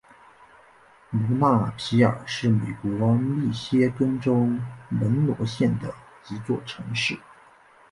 卢纳皮尔是美国密歇根州门罗县的一座城市。